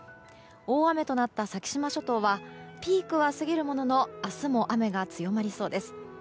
大雨となった先島諸島はピークは過ぎるものの明日も雨が強まりそうです。